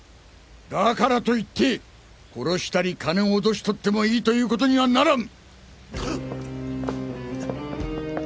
だからと言って殺したり金を脅し取ってもいいということにはならん！